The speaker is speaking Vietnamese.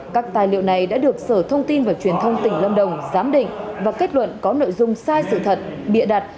các tài liệu này đã được sở thông tin và truyền thông tỉnh lâm đồng giám định và kết luận có nội dung sai sự thật bịa đặt